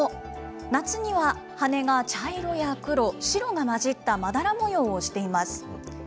夏には羽が茶色や黒、白が混じったまだら模様をしています。